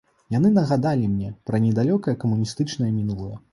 Яны нагадалі мне пра недалёкае камуністычнае мінулае.